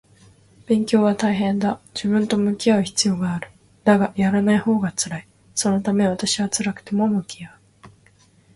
勉強は大変だ。自分と向き合う必要がある。だが、やらないほうが辛い。そのため私は辛くても向き合う